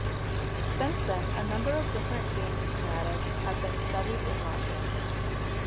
Since then, a number of different game semantics have been studied in logic.